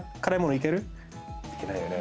いけないよね。